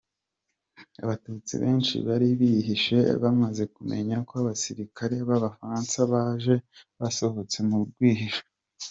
Abatutsi benshi bari bihishe, bamaze kumenya ko abasirikare b’abafaransa baje, basohotse mu bwihisho.